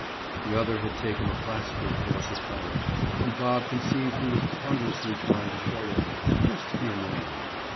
The other had taken a classical course at college, and Bob conceived he was ponderously trying to show off, just to be annoying.